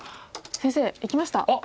先生いきました。